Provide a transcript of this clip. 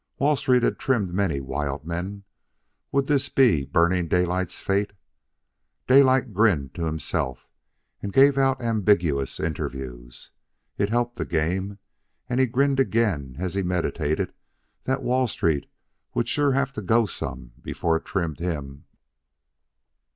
Wall Street had trimmed many wild men; would this be Burning Daylight's fate? Daylight grinned to himself, and gave out ambiguous interviews. It helped the game, and he grinned again, as he meditated that Wall Street would sure have to go some before it trimmed him.